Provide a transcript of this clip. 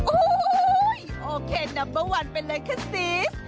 โอ้โหโอเคนัมเบอร์วันไปเลยค่ะซีฟ